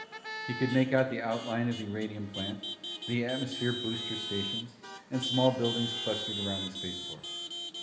He could make out the outline of the uranium plant, the atmosphere booster stations and small buildings clustered around the spaceport.